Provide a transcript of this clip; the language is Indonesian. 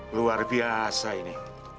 luar biasa ini